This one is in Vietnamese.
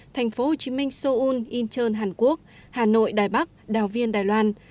thành phố hồ chí minh seoul incheon hàn quốc hà nội đài bắc đào viên đài loan